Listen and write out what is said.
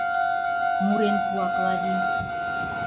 мурен пуа Клавий.